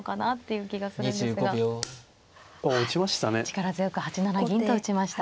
力強く８七銀と打ちました。